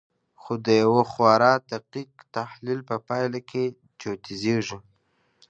خو د یوه خورا دقیق تحلیل په پایله کې جوتېږي